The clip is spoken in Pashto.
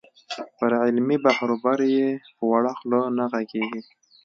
پر علمي بحروبر یې په وړه خوله نه غږېږې.